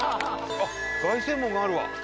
凱旋門があるわ。